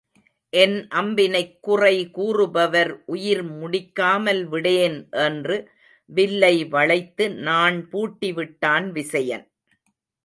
என் அம்பினைக் குறை கூறுபவர் உயிர் முடிக்காமல் விடேன் என்று வில்லை வளைத்து நாண் பூட்டி விட்டான் விசயன்.